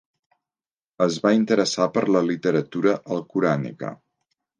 Es va interessar per la literatura alcorànica.